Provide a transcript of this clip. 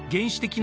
な